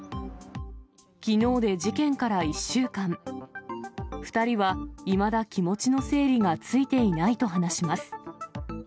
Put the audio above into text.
きのうで事件から１週間、２人はいまだ気持ちの整理がついていないと話します。